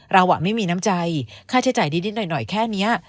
เราไม่มีน้ำใจค่าใช้จ่ายนิดหน่อยแค่นี้